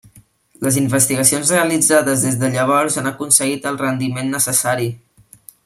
Les investigacions realitzades des de llavors han aconseguit el rendiment necessari.